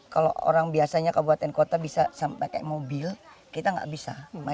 kalau orang biasanya kabupaten kota bisa pakai mobil kita nggak bisa